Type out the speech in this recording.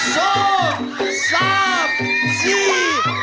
โหนำเนิน